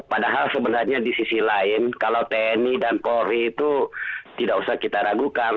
padahal sebenarnya di sisi lain kalau tni dan polri itu tidak usah kita ragukan